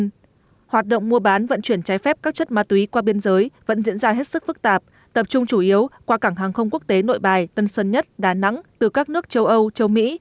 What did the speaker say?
các đối tượng muôn lậu vận chuyển trái phép các chất ma túy qua biên giới vẫn diễn ra hết sức phức tạp tập trung chủ yếu qua cảng hàng không quốc tế nội bài tân sơn nhất đà nẵng từ các nước châu âu châu mỹ